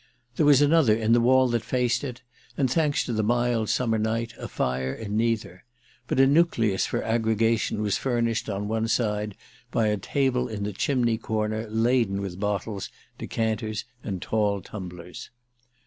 There was another in the wall that faced it, and, thanks to the mild summer night, a fire in neither; but a nucleus for aggregation was furnished on one side by a table in the chimney corner laden with bottles, decanters and tall tumblers.